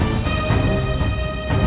jangan bikin aku terjaga